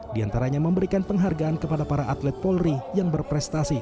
diantaranya memberikan penghargaan kepada para atlet polri yang berprestasi